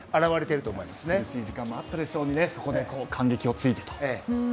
苦しい時間もあったでしょうがその間隙を突いてと。